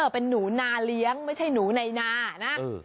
เป็นหนูนาเลี้ยงไม่ใช่หนูในนานะ